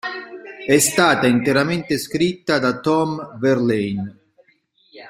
È stata interamente scritta da Tom Verlaine.